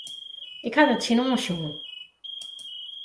Ik ha der sa tsjinoan sjoen.